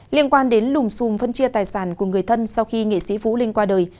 liên quan đến lùm xùm phân chia tài sản của người thân sau khi nghệ sĩ vũ linh qua đời